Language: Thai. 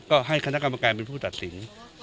ก็ให้คณะกรรมการเป็นผู้ตัดสิน